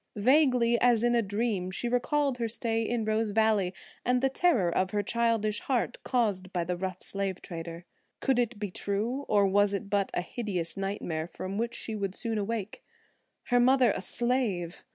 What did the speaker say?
Vaguely, as in a dream, she recalled her stay in Rose Valley and the terror of her childish heart caused by the rough slave trader. Could it be true, or was it but a hideous nightmare from which she would soon awake? Her mother a slave!